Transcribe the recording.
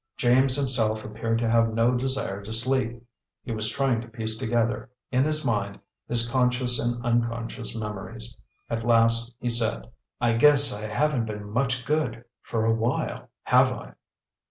James himself appeared to have no desire to sleep. He was trying to piece together, in his mind, his conscious and unconscious memories. At last he said: "I guess I haven't been much good for a while have I?"